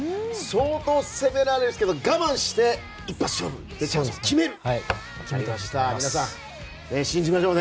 相当、攻められるけど我慢して一発勝負で決める。